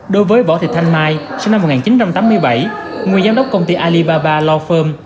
đối với võ thị thanh mai sinh năm một nghìn chín trăm tám mươi bảy nguyên giám đốc công ty alibaba lohim